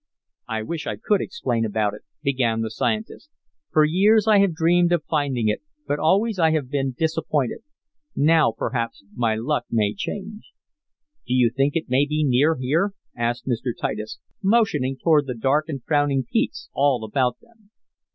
"I wish I could explain about it," began the scientist. "For years I have dreamed of finding it, but always I have been disappointed. Now, perhaps, my luck may change." "Do you think it may be near here?" asked Mr. Titus, motioning toward the dark and frowning peaks all about them.